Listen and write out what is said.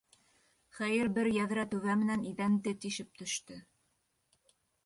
Хәйер, бер йәҙрә түбә менән иҙәнде тишеп төштө.